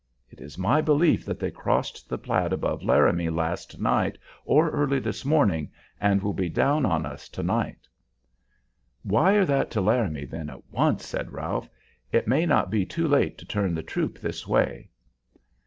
It is my belief that they crossed the Platte above Laramie last night or early this morning, and will be down on us to night." "Wire that to Laramie, then, at once," said Ralph. "It may not be too late to turn the troop this way."